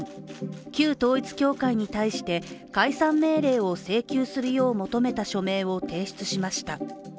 旧統一教会に対して解散命令を請求するよう求めた署名を提出しました。